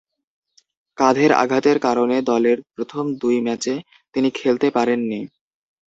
কাঁধের আঘাতের কারণে দলের প্রথম দুই ম্যাচ তিনি খেলতে পারেননি।